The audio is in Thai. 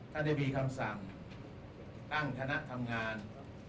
ได้มีคำสั่งตั้งคณะทำงาน